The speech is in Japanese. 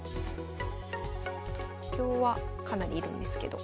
東京はかなりいるんですけど。